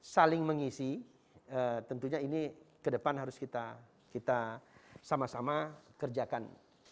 saling mengisi tentunya ini ke depan harus kita sama sama kerjakan